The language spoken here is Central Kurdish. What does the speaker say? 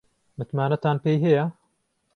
متمانەتان پێی هەیە؟